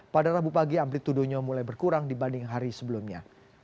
pada rabu pagi amplitudenya mulai berkurang dibanding hari sebelumnya